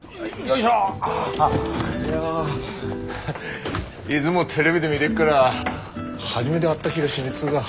いやいづもテレビで見でっから初めて会った気がしねえっつうが。